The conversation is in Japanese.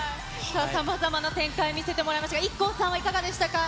さまざまな展開、見せてもらいましたが、ＩＫＫＯさんはいかがでしたか？